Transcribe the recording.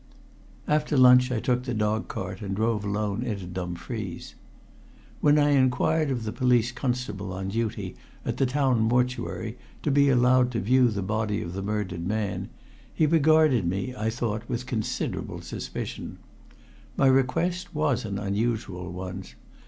After lunch I took the dog cart and drove alone into Dumfries. When I inquired of the police constable on duty at the town mortuary to be allowed to view the body of the murdered man, he regarded me, I thought, with considerable suspicion. My request was an unusual one.